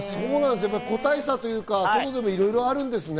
個体差というか、トドもいろいろあるんですね。